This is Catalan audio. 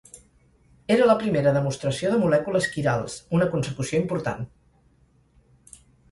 Era la primera demostració de molècules quirals, una consecució important.